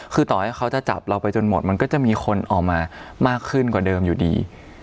คือต่อให้เขาจะจับเราไปจนหมดมันก็จะมีคนออกมามากขึ้นกว่าเดิมอยู่ดี